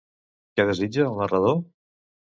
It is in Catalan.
Què desitja el narrador?